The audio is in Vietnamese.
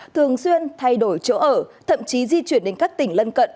thường xuyên thay đổi chỗ ở thậm chí di chuyển đến các tỉnh lân cận